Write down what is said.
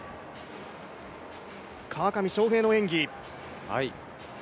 川上翔平の演技。